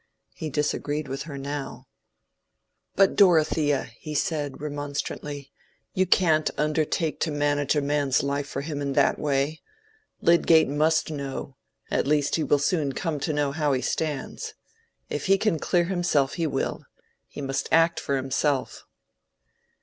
He disagreed with her now. "But, Dorothea," he said, remonstrantly, "you can't undertake to manage a man's life for him in that way. Lydgate must know—at least he will soon come to know how he stands. If he can clear himself, he will. He must act for himself."